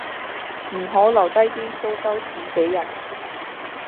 唔好留低啲蘇州屎俾人